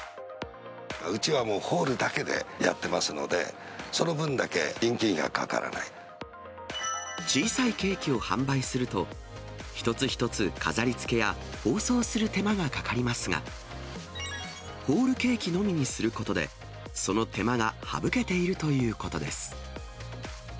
うちはもうホールだけでやってますので、小さいケーキを販売すると、一つ一つ飾りつけや包装する手間がかかりますが、ホールケーキのみにすることで、その手間が省けているということです。